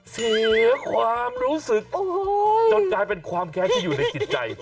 เสียความรู้สึกจนกลายเป็นความแค้นที่อยู่ในจิตใจ